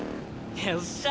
よっしゃ。